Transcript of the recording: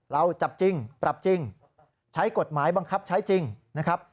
เราจับจริงปรับจริงใช้กฎหมายบังคับใช้จริงนะครับ